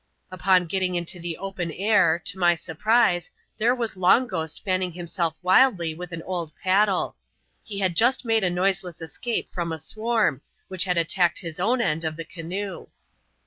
Upon getting into the open air, to my surprise, there was Long Ghost, fanning himself wildly with an old paddle. He had just made a noiseless escape from a swarm, which had attacked his own end of fhe canoe.